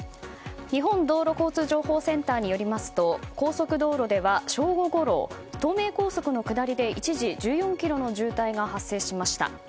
日本道路交通情報センターによりますと高速道路では、正午ごろ東名高速の下りで一時１４ｋｍの渋滞が発生しました。